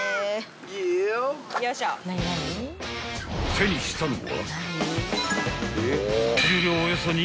［手にしたのは］